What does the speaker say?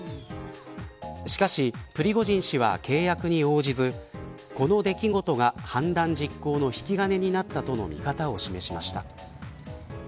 しかし、プリゴジン氏は契約に応じずこの出来事が反乱実行の引き金になったとの見方を示しました。